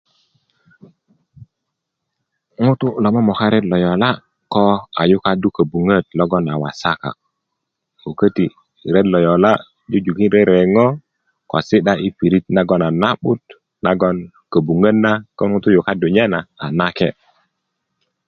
ɲutu' lo momoka ret lo yola' ko a yukaddu köbuŋö logon a wasaka ko köti' ret lo yola' jujukin reteŋo ko si'da yi pirit nagon a na'but nagon köbuŋöt na ko ŋutu' yukaddu nye na a nake'